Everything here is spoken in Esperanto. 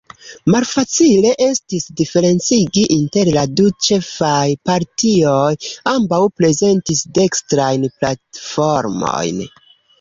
Malfacile estis diferencigi inter la du ĉefaj partioj: ambaŭ prezentis dekstrajn platformojn.